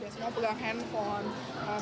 semua pegang handphone